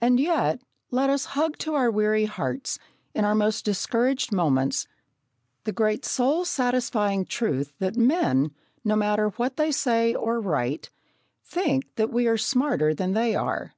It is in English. And yet, let us hug to our weary hearts, in our most discouraged moments, the great soul satisfying truth that men, no matter what they say or write, think that we are smarter than they are.